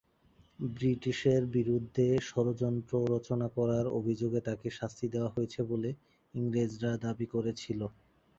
ব্রিটিশের বিরূদ্ধে ষড়যন্ত্র রচনা করার অভিযোগে তাঁকে শাস্তি দেওয়া হয়েছে বলে ইংরেজরা দাবী করেছিল।